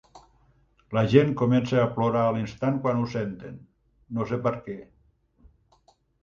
La gent comença a plorar a l"instant quan ho senten, no sé perquè.